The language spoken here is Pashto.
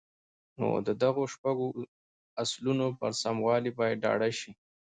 نو د دغو شپږو اصلونو پر سموالي به ډاډه شئ.